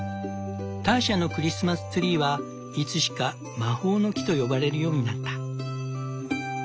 ターシャのクリスマスツリーはいつしか「魔法の木」と呼ばれるようになった。